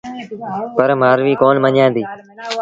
پر مآرويٚ ڪونا مڃيآݩديٚ۔